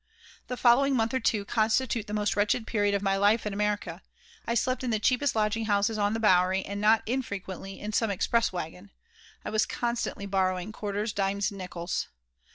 The following month or two constitute the most wretched period of my life in America. I slept in the cheapest lodging houses on the Bowery and not infrequently in some express wagon. I was constantly borrowing quarters, dimes, nickels.